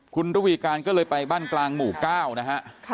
คุณระวีการก็เลยไปบ้านกลางหมู่๙นะฮะ